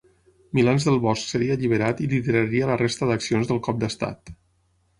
Milans del Bosch seria alliberat i lideraria la resta d'accions del cop d'Estat.